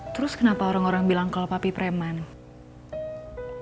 terus kenapa orang orang bilang kalau papi preman